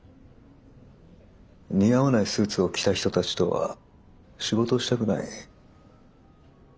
似合わないスーツを着た人たちとは仕事をしたくない。